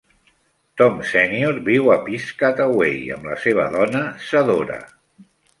Tom Senior viu a Piscataway amb la seva dona, Sedora.